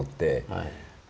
はい。